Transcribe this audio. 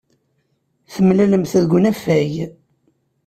Temlalemt deg unafag.